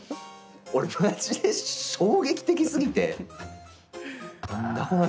俺、まじで衝撃的すぎて。